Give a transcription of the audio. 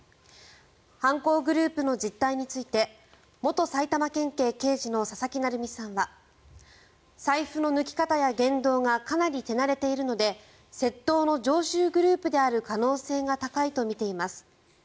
犯行グループの実態について元埼玉県警刑事の佐々木成三さんは財布の抜き方や言動がかなり手慣れているので窃盗の常習グループである可能性が高いとみています。